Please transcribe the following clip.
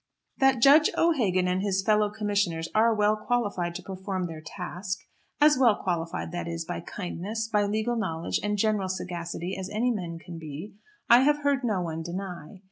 That Judge O'Hagan and his fellow commissioners are well qualified to perform their task, as well qualified, that is, by kindness, by legal knowledge and general sagacity as any men can be, I have heard no one deny.